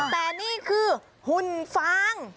แต่นี่คือหุ่นฟาง